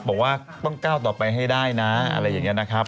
บอกว่าต้องก้าวต่อไปให้ได้นะอะไรอย่างนี้นะครับ